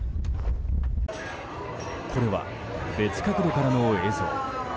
これは別角度からの映像。